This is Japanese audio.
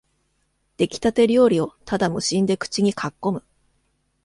できたて料理をただ無心で口にかっこむ